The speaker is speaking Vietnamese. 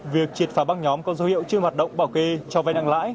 việc triệt phá bác nhóm có dấu hiệu chưa hoạt động bảo kê cho vay năng lãi